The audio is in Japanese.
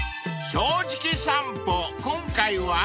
［『正直さんぽ』今回は］